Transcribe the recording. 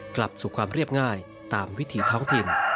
กลับสู่ความเรียบง่ายตามวิถีท้องถิ่น